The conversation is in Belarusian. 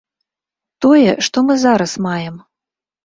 Тое, што мы зараз маем.